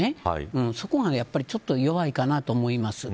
そこがちょっと弱いかなと思います。